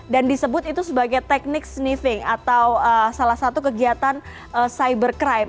dan disebut itu sebagai teknik sniffing atau salah satu kegiatan cyber crime